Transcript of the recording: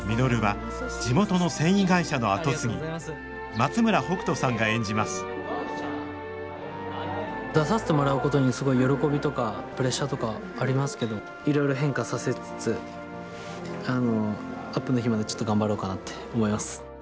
松村北斗さんが演じます出させてもらうことにすごい喜びとかプレッシャーとかありますけどいろいろ変化させつつあのアップの日までちょっと頑張ろうかなって思います。